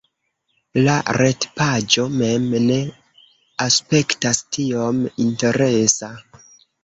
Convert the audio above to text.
La retpaĝo mem ne aspektas tiom interesa